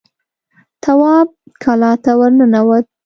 تواب کلا ته ور ننوت.